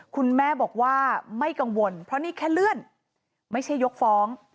คุณแม่บอกว่าไม่กังวลเพราะนี่แค่เลื่อนไม่ใช่ยกฟ้อง